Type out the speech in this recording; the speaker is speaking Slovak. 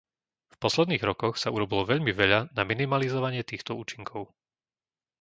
V posledných rokoch sa urobilo veľmi veľa na minimalizovanie týchto účinkov.